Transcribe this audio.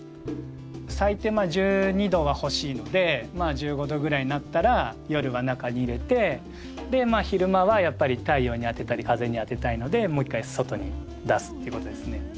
最低１２℃は欲しいのでまあ１５℃ぐらいになったら夜は中に入れてでまあ昼間はやっぱり太陽に当てたり風に当てたいのでもう一回外に出すっていうことですね。